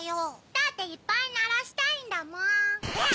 だっていっぱいならしたいんだもん。